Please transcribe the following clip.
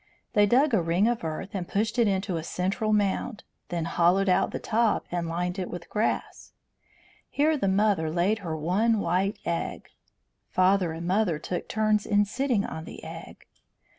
They dug a ring of earth and pushed it into a central mound, then hollowed out the top and lined it with grass. Here the mother laid her one white egg. Father and mother took turns in sitting on the egg.